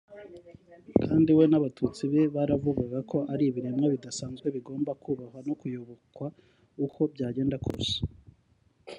kandi we n’abatutsi be baravugaga ko ari ibiremwa bidasanzwe bigomba kubahwa no kuyobokwa uko byagenda kose